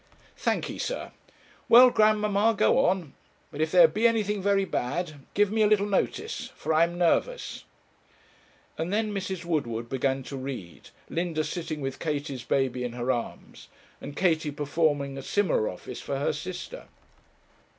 'Thankee, sir. Well, grandmamma, go on; but if there be anything very bad, give me a little notice, for I am nervous.' And then Mrs. Woodward began to read, Linda sitting with Katie's baby in her arms, and Katie performing a similar office for her sister.